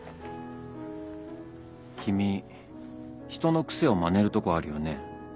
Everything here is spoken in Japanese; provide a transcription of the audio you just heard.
君人の癖をまねるとこあるよね。